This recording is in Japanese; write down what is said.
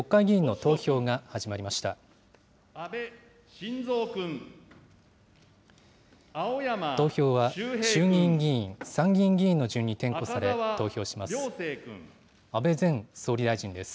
投票は衆議院議員、参議院議員の順に点呼され、投票します。